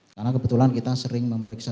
karena kebetulan kita sering memperiksa